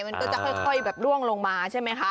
มันก็จะค่อยแบบล่วงลงมาใช่ไหมคะ